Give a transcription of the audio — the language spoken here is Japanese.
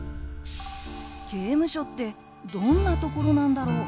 刑務所ってどんなところなんだろう？